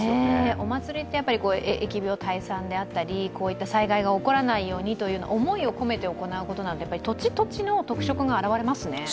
お祭りって疫病退散であったり、災害が起こらないようにという思いを込めて行うことなのでやっぱり土地土地の特色が表われますね。